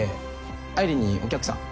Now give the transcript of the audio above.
愛梨にお客さん。